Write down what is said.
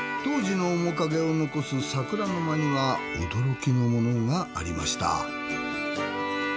当時の面影を残す桜の間には驚きのものがありました。